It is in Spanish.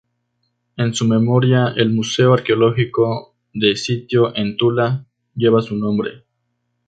En su memoria, el museo arqueológico de sitio en Tula, lleva su nombre.